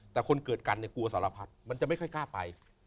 แต่คนเกิดกันเนี่ยกลัวสารพัดมันจะไม่ค่อยกล้าไป